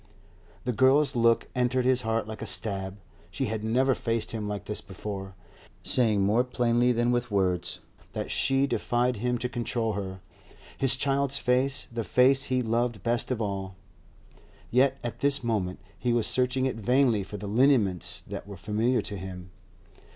The girl's look entered his heart like a stab; she had never faced him like this before, saying more plainly than with words that she defied him to control her. His child's face, the face he loved best of all! yet at this moment he was searching it vainly for the lineaments that were familiar to him.